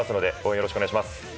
よろしくお願いします。